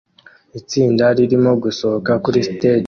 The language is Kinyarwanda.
Itsinda ririmo gusohoka kuri stage